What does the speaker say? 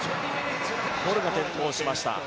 ボルが転倒しました。